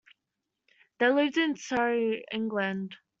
They lived in Surrey, England.